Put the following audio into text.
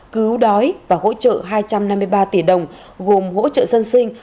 cứu đói và hỗ trợ hai trăm năm mươi ba tỷ đồng gồm hỗ trợ dân sinh